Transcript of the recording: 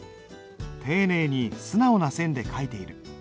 丁寧に素直な線で書いている。